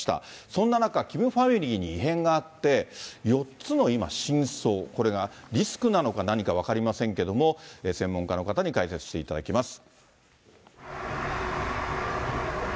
そんな中、キムファミリーに異変があって、４つの今、深層、これがリスクなのか、何か分かりませんけれども、専門家の方に解説していただきます。